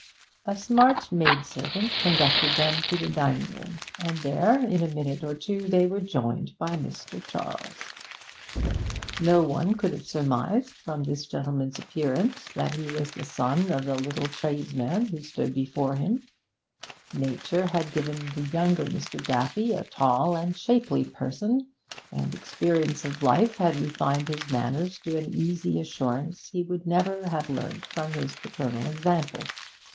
A smart maidservant conducted them to the dining room, and there, in a minute or two, they were joined by Mr. Charles. No one could have surmised from this gentleman's appearance that he was the son of the little tradesman who stood before him; nature had given the younger Mr. Daffy a tall and shapely person, and experience of life had refined his manners to an easy assurance he would never have learnt from paternal example.